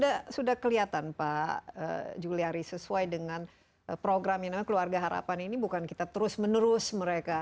sudah kelihatan pak juliari sesuai dengan program yang namanya keluarga harapan ini bukan kita terus menerus mereka